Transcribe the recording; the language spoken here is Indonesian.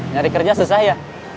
nari kerja selesai ya